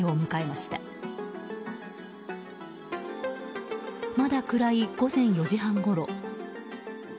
まだ暗い午前４時半ごろ。